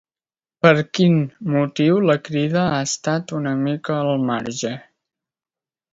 Per quin motiu la Crida ha estat una mica al marge?